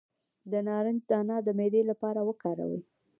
د نارنج دانه د معدې لپاره وکاروئ